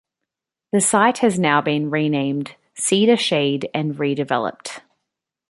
The site has now been renamed Cedar Shade and redeveloped.